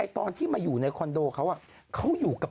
ตอนที่มาอยู่ในคอนโดเขา